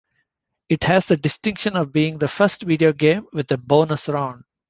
It has the distinction of being the first video game with a bonus round.